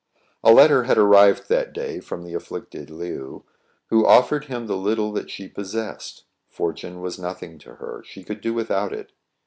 A letter had arrived that day from the afflicted Le ou, who offered him the little that she pos sessed. Fortune was nothing to her : she could do without it.